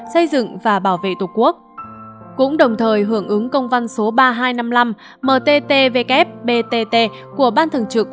xây dựng và bảo vệ tổ quốc cũng đồng thời hưởng ứng công văn số ba nghìn hai trăm năm mươi năm mttw btt của ban thường trực